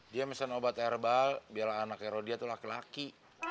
dia pesen obat herbal biar anaknya rodia tuh laki laki